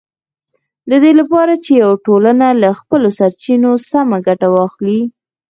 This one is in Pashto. د دې لپاره چې یوه ټولنه له خپلو سرچینو سمه ګټه واخلي